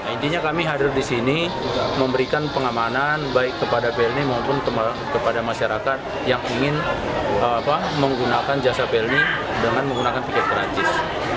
intinya kami hadir di sini memberikan pengamanan baik kepada blni maupun kepada masyarakat yang ingin menggunakan jasa blni dengan menggunakan tiket perancis